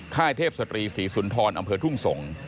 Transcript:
เทพศตรีศรีสุนทรอำเภอทุ่งสงศ์